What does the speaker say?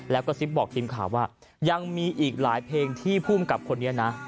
แล้วก็ซิบบอกทีมข่าวว่ายังมีอีกหลายเพลงที่ภูมิกับคนนี้นะ